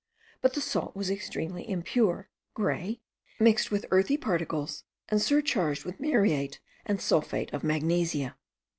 but the salt was extremely impure, grey, mixed with earthy particles, and surcharged with muriate and sulphate of magnesia.